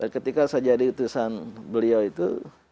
ketika saya jadi utusan beliau itu